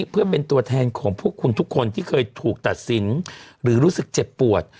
เพื่อเป็นตัวแทนของพวกคุณทุกคนที่เคยถูกตัดสินหรือรู้สึกเจ็บปวด